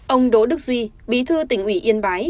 ông đỗ đức duy bí thư tỉnh ủy yên bái